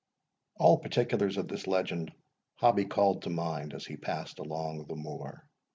All particulars of this legend Hobbie called to mind as he passed along the moor.